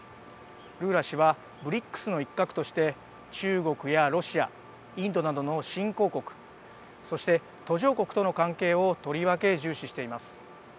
ルーラ氏はＢＲＩＣＳの一角として中国やロシアインドなどの新興国そして、途上国との関係をとりわけ重視しています。